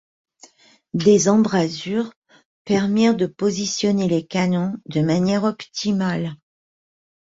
Des embrasures permirent de positionner les canons de manière optimale.